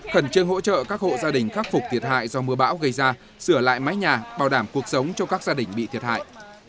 khẩn trương hỗ trợ các hộ gia đình khắc phục thiệt hại do mưa bão gây ra sửa lại mái nhà bảo đảm cuộc sống cho các gia đình bị thiệt hại